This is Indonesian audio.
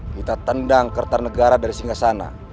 kita tendang kertanegara dari singa sana